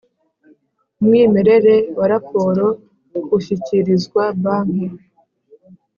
Umwimerere wa raporo ushyikirizwa Banki